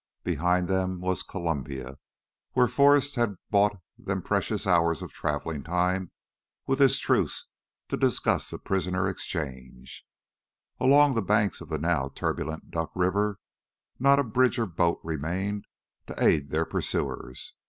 Behind them was Columbia, where Forrest had bought them precious hours of traveling time with his truce to discuss a prisoner exchange. Along the banks of the now turbulent Duck River not a bridge or boat remained to aid their pursuers.